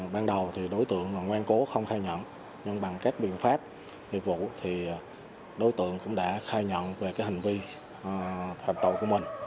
ban đầu thì đối tượng ngoan cố không khai nhận nhưng bằng các biện pháp nghiệp vụ thì đối tượng cũng đã khai nhận về hành vi phạm tội của mình